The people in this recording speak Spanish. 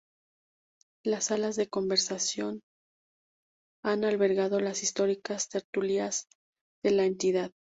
Las salas de conversación han albergado las históricas tertulias de la entidad.